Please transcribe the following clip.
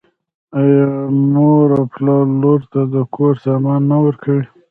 آیا مور او پلار لور ته د کور سامان نه ورکوي؟